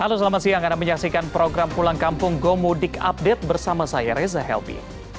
halo selamat siang anda menyaksikan program pulang kampung gomudik update bersama saya reza helmi